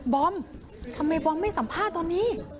บอห์มทำไมบอห์มก็ไม่สัมภาพตอนนี้